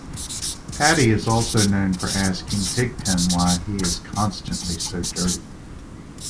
Patty is also known for asking "Pig-Pen" why he is constantly so dirty.